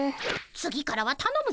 次からはたのむぞ！